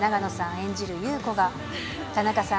演じる優子が、田中さん